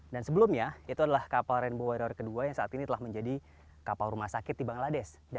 dan sebelumnya itu adalah kapal rainbow warrior kedua yang saat ini telah menjadi kapal rumah sakit di bangladesh